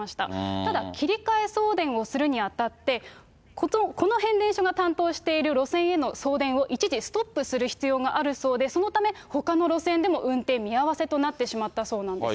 ただ、切り替え送電をするにあたって、この変電所が担当している路線への送電を一時ストップする必要があるそうで、そのため、ほかの路線でも運転見合わせとなってしまったそうなんです。